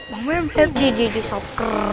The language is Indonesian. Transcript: bang mewet didi didisok